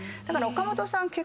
だから岡本さん